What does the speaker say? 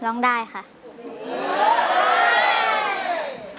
เพลงที่๒มาเลยครับ